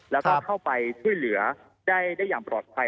แล้วก็เข้าไปช่วยเหลือได้อย่างปลอดภัย